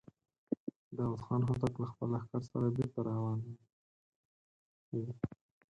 داوود خان هوتک له خپل لښکر سره بېرته را روان و.